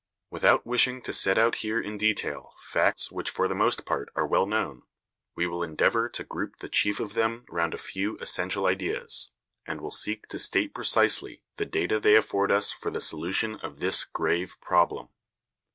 Without wishing to set out here in detail facts which for the most part are well known, we will endeavour to group the chief of them round a few essential ideas, and will seek to state precisely the data they afford us for the solution of this grave problem.